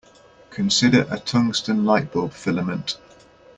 Consider a tungsten light-bulb filament.